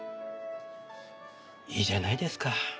いいじゃないですか。